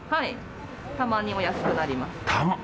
たまにお安くなります。